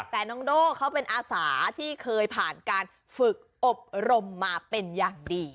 แต่น้องโด่เขาเป็นอาสาที่เคยผ่านการฝึกอบรมมาเป็นอย่างดี